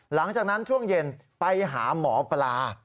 หลังจากนั้นช่วงเย็นไปหาหมอปลา